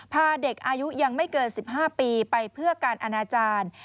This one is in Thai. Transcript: พาเด็กอายุยังไม่เกิน๑๕ปีไปเพื่อการอนาจารย์